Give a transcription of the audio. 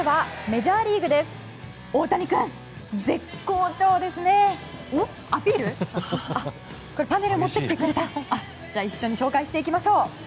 じゃあ一緒に紹介していきましょう。